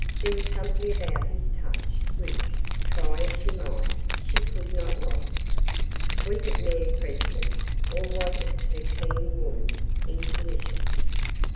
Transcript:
There was something about his touch which, try as she might, she could not like. Was it mere prejudice, or was it her keen woman's intuition?